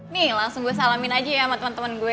nih langsung gue salamin aja ya sama teman teman gue